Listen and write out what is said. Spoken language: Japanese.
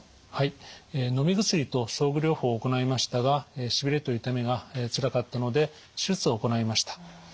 はい。のみ薬と装具療法を行いましたがしびれと痛みがつらかったので手術を行いました。